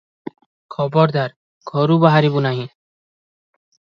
ଖବରଦାର! ଘରୁ ବାହାରିବୁ ନାହିଁ ।’